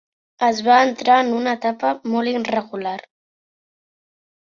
Es va entrar en una etapa molt irregular.